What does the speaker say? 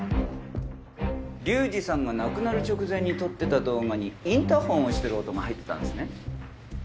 リュウジさんが亡くなる直前に撮ってた動画にインターホンを押してる音が入ってたんですね。